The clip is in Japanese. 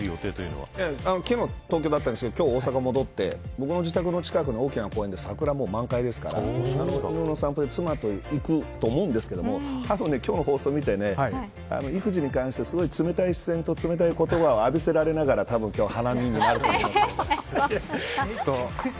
昨日、東京だったんですけど大阪に戻って僕の自宅の近くの大きな公園で桜が満開ですから犬の散歩で妻と行くと思うんですけど今日の放送を見て育児に関して冷たい視線と冷たい言葉を浴びせられながらたぶん今日は花見になると思います。